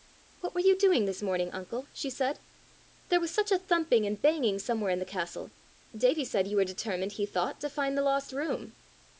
"What were you doing this morning, uncle?" she said. "There was such a thumping and banging somewhere in the castle! Davie said you were determined, he thought, to find the lost room."